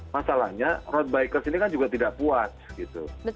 masalahnya roadbikers ini kan juga tidak puas gitu